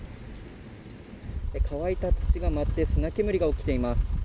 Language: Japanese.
乾いた土が舞って砂煙が起きています。